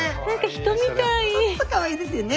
かわいいですよね！